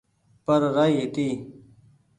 پر رآئي هيتي